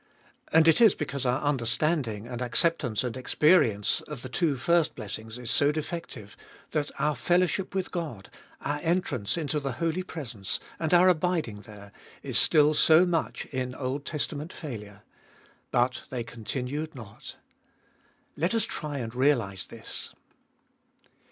And it is because our understanding and acceptance and experience of the two first blessings is so defective that our fellowship with God, our entrance into the holy presence, and our abiding there, is still so much in Old Testament failure — But they continued not. Let us try and realise this.